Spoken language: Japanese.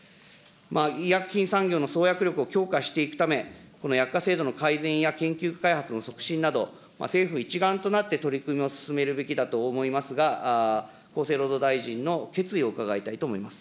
医薬品産業の創薬力を強化していくため、この薬価制度の改善や研究開発の促進など、政府一丸となって取り組みを進めるべきだと思いますが、厚生労働大臣の決意を伺いたいと思います。